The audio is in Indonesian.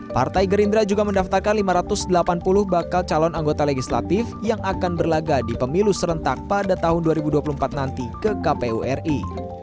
partai gerindra juga mendaftarkan lima ratus delapan puluh bakal calon anggota legislatif yang akan berlaga di pemilu serentak pada tahun dua ribu dua puluh empat nanti ke kpu ri